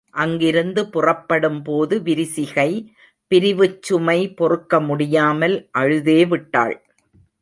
அங்கிருந்து புறப்படும்போது விரிசிகை பிரிவுச் சுமை பொறுக்கமுடியாமல் அழுதேவிட்டாள்.